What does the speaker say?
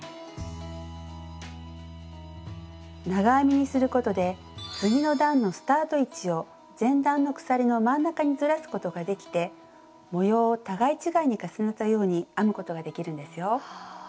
長編みにすることで次の段のスタート位置を前段の鎖の真ん中にずらすことができて模様を互い違いに重ねたように編むことができるんですよ。